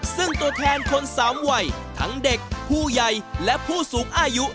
ซึ่งตัวแทนคนสามวัยทั้งเด็กผู้ใหญ่และผู้สูงอายุ